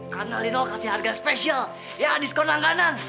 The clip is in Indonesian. karena lino kasih harga spesial yang diskon langganan